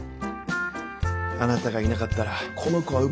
あなたがいなかったらこの子は生まれてなかった。